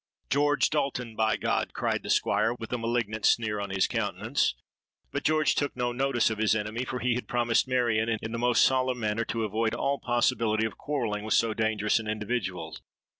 'George Dalton, by God!' cried the Squire, with a malignant sneer on his countenance.—But George took no notice of his enemy; for he had promised Marion in the most solemn manner to avoid all possibility of quarrelling with so dangerous an individual.